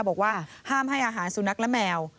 บอกว่าห้ามให้อาหารสุนัขและแมว